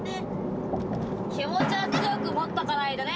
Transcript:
気持ちは強く持っとかないとね。